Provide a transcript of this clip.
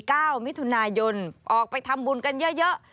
เก้ามิถุนายนออกไปทำบุญกันเยอะเยอะ